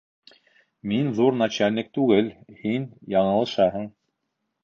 Мин ҙур начальник түгел, һин яңылышаһың.